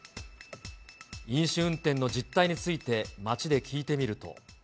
飲酒運転の実態について街で聞いてみると。